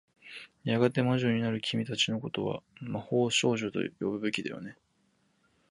やがて魔女になる君たちの事は、魔法少女と呼ぶべきだよね。